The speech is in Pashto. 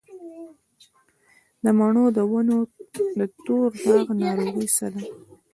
د مڼو د ونو د تور داغ ناروغي څه ده؟